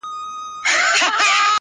د يوې پېښې سيوری لري تل،